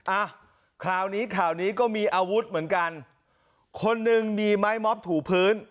อ่ะคราวนี้ข่าวนี้ก็มีอาวุธเหมือนกันคนหนึ่งหนีไม้ม็อบถูพื้น